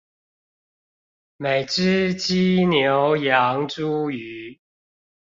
每隻雞牛羊豬魚